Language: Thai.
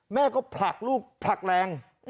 แม่ก็ผลักลูกผลักแรง